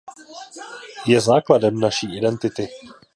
Je základem naší identity.